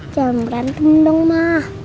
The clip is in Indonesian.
jangan berantem dong ma